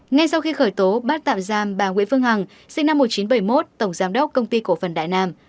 ngay sau khi khởi tố bắt tạm giam bà nguyễn phương hằng sinh năm một nghìn chín trăm bảy mươi một tổng giám đốc công ty cổ phần đại nam